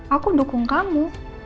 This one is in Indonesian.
aku dukung kamu